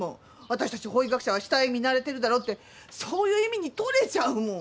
私たち法医学者は死体見慣れてるだろってそういう意味に取れちゃうもん。